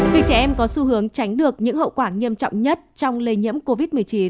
vì trẻ em có xu hướng tránh được những hậu quả nghiêm trọng nhất trong lây nhiễm covid một mươi chín